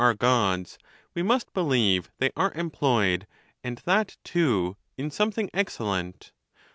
^re Gods, we must believe they are emjJloyed, and that, too, in something excellent.